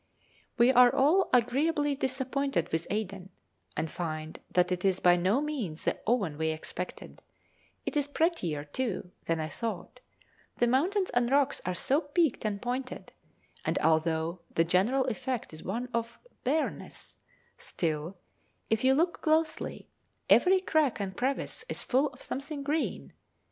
We are all agreeably disappointed with Aden, and find that it is by no means the oven we expected; it is prettier too than I thought, the mountains and rocks are so peaked and pointed, and although the general effect is one of barrenness, still, if you look closely, every crack and crevice is full of something green.